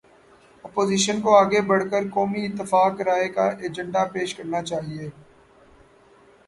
Opposition کو آگے بڑھ کر قومی اتفاق رائے کا ایجنڈا پیش کرنا چاہیے۔